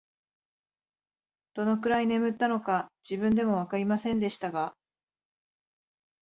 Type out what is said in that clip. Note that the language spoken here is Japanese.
どのくらい眠ったのか、自分でもわかりませんでしたが、